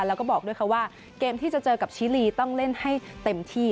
แล้วก็บอกด้วยค่ะว่าเกมที่จะเจอกับชิลีต้องเล่นให้เต็มที่